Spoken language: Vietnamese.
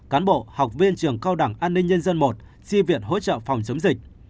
cán bộ học viên trường cao đẳng an ninh nhân dân một di viện hỗ trợ phòng chống dịch